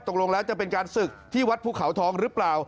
ตกลงแล้วจะเป็นการศึกที่วัดภูเขาทองหรือเปล่า